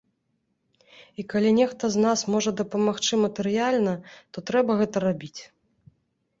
І калі нехта з нас можа дапамагчы матэрыяльна, то трэба гэта рабіць.